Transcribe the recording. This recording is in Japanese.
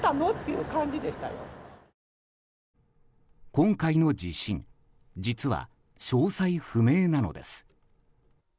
今回の地震実は詳細不明なのです。